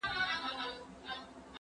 نېکي زوال نه لري.